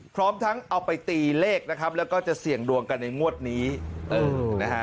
พร้อมทั้งเอาไปตีเลขนะครับแล้วก็จะเสี่ยงดวงกันในงวดนี้เออนะฮะ